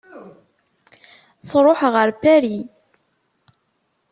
Tṛuḥ ɣer Paris.